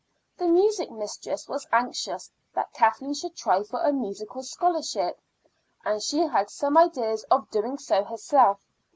The music mistress was anxious that Kathleen should try for a musical scholarship, and she had some ideas of doing so herself.